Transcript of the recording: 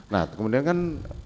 nah kemudian kan